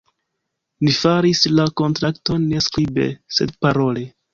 Ni faris la kontrakton ne skribe, sed parole.